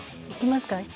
いきますか？